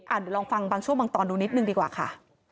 เดี๋ยวลองฟังบางช่วงบางตอนดูนิดนึงดีกว่าค่ะ